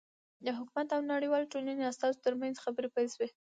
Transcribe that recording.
د حکومت او نړیوالې ټولنې استازو ترمنځ خبرې پیل شوې.